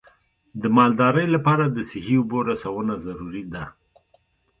د مالدارۍ لپاره د صحي اوبو رسونه ضروري ده.